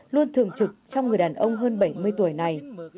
luôn thường trực trong người đàn ông hơn bảy mươi tuổi này